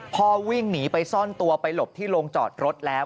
พอวิ่งหนีไปซ่อนตัวไปหลบที่โรงจอดรถแล้ว